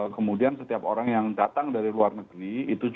kemudian setiap orang yang datang dari luar negeri